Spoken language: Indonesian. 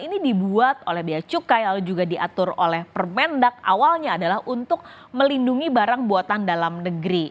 ini dibuat oleh biaya cukai lalu juga diatur oleh permendak awalnya adalah untuk melindungi barang buatan dalam negeri